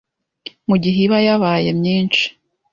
mu gihe iba yabaye myinshi